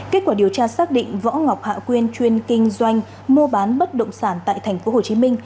kết quả điều tra xác định võ ngọc hạ quyên chuyên kinh doanh mua bán bất động sản tại tp hcm